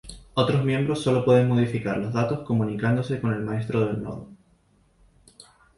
Otros miembros solo pueden modificar los datos comunicándose con el maestro del nodo.